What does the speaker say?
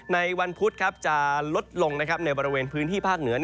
ในวันพุธครับจะลดลงนะครับในบริเวณพื้นที่ภาคเหนือ